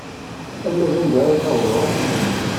Alma d anda ara tawḍeḍ?